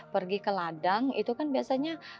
pergi ke ladang itu kan biasanya